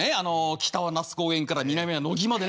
北は那須高原から南は野木までね。